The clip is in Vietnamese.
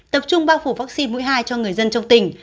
tập trung bao phủ vaccine mũi hai cho người dân trong tỉnh